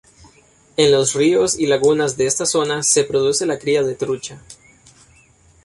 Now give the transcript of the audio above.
En los ríos y lagunas de esta zona se produce la cría de trucha.